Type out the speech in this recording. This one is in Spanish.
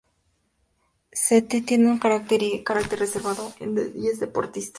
Ste tiene un carácter reservado y es deportista.